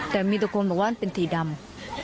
แต่มีแต่คนบอกว่าเป็นสีดำ